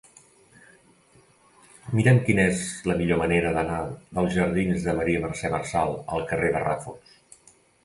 Mira'm quina és la millor manera d'anar dels jardins de Maria Mercè Marçal al carrer de Ràfols.